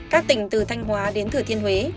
các tỉnh từ thanh hóa đến thử thiên huế